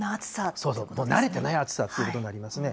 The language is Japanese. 慣れてない暑さということになりますね。